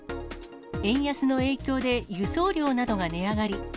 円安の影響で輸送料などが値上がり。